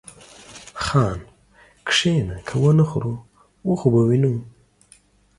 خان! کښينه که ونه خورو و خو به وينو.